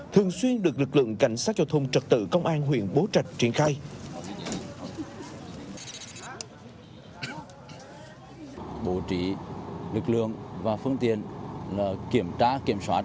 thường xuyên được lực lượng cảnh sát giao thông trật tự công an huyện bố trạch triển khai